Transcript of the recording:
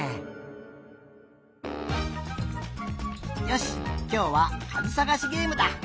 よしきょうはかずさがしゲームだ！